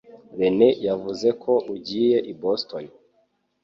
Rene yavuze ko ugiye i Boston.